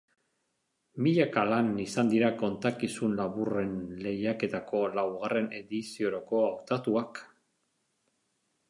Milaka lan izan dira kontakizun laburren lehiaketako laugarren ediziorako hautatuak.